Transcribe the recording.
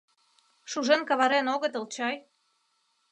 Шужен каварен огытыл чай?..